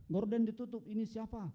gordon ditutup ini siapa